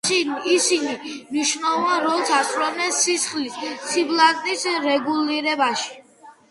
ისინი მნიშვნელოვან როლს ასრულებენ სისხლის სიბლანტის რეგულირებაში.